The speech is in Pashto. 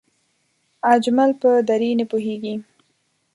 اجمل په دری نه پوهېږي